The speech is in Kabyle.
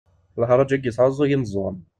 Lharaǧ-agi yesɛuẓug imeẓaɣ.